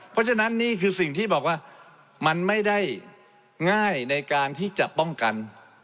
เพราะฉะนั้นนี่คือสิ่งที่บอกว่ามันไม่ได้ง่ายในการที่จะป้องกัน